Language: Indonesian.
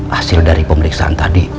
hasil dari pemeriksaan tadi